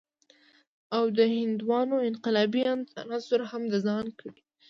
او د هندوانو انقلابي عناصر هم د ځان کړي.